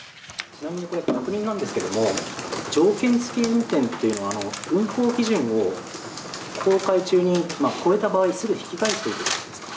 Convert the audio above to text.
ちなみに、確認なんですけれども、条件付き運転っていうのは、運航基準を航海中に超えた場合、すぐ引き返すということなんですか。